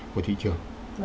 của thị trường